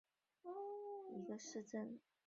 弗拉尔夏伊姆是德国图林根州的一个市镇。